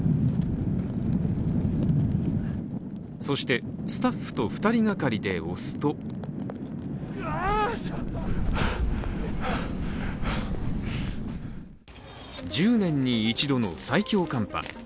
そして、スタッフと２人がかりで押すと１０年に一度の最強寒波。